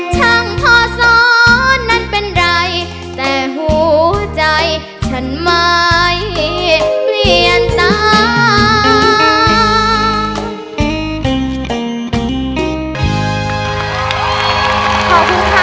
ช่างพอซ้อนนั้นเป็นไรแต่หัวใจฉันไม่เปลี่ยนตา